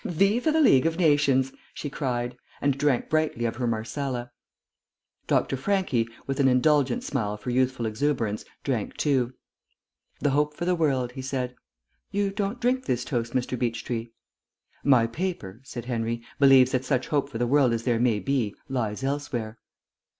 "Viva the League of Nations!" she cried, and drank brightly of her marsala. Dr. Franchi, with an indulgent smile for youthful exuberance, drank too. "The hope for the world," he said. "You don't drink this toast, Mr. Beechtree?" "My paper," said Henry, "believes that such hope for the world as there may be lies elsewhere."